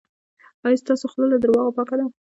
ایا ستاسو خوله له درواغو پاکه ده؟